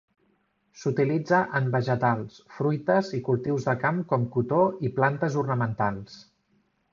S'utilitza en vegetals, fruites i cultius de camp com cotó i plantes ornamentals.